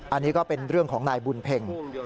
อันนี้ก็เป็นเรื่องของนายบุญเพ็ง